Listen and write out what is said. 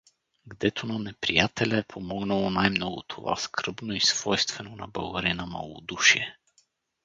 Гдето на неприятеля е помогнало най-много това скръбно и свойствено на българина малодушие.